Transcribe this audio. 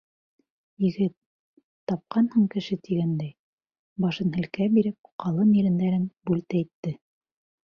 Егет, тапҡанһың кеше тигәндәй, башын һелкә биреп, ҡалын ирендәрен бүлтәйтте.